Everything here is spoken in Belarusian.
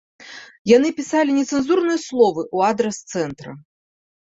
Яны пісалі нецэнзурныя словы ў адрас цэнтра.